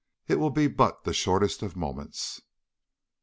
It will be but the shortest of moments."